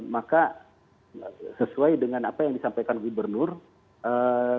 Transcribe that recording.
maka sesuai dengan apa yang disampaikan uwi bernur diterapkan apa yang dinamakan isolasi lokal